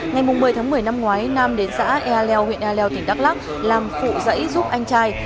ngày một mươi tháng một mươi năm ngoái nam đến xã ea leo huyện e leo tỉnh đắk lắc làm phụ dãy giúp anh trai